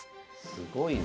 すごいな。